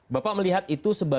bapak melihat itu sebagai